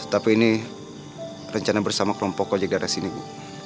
tapi ini rencana bersama kelompok ojek dari sini bu